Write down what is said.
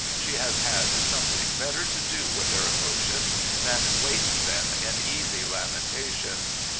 She has had something better to do with her emotions than waste them in easy lamentations.